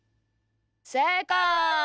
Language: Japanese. せいかい！